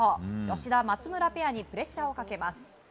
吉田、松村ペアにプレッシャーをかけます。